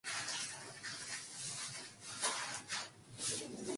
이른 봄 산기슭으로 스며드는 저녁 바람은 소름이 끼칠 만치 쌀쌀하다.